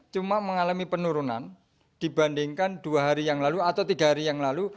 cuma mengalami penurunan dibandingkan dua hari yang lalu atau tiga hari yang lalu